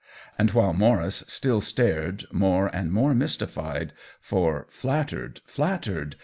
And while Maurice still stared, more and more mystified — for " flattered, flattered